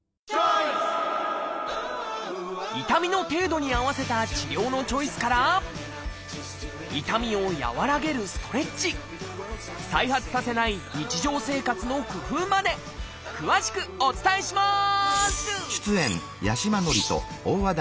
痛みの程度に合わせた治療のチョイスから痛みを和らげるストレッチ再発させない日常生活の工夫まで詳しくお伝えします！